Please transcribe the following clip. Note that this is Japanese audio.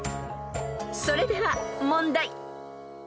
［それでは問題］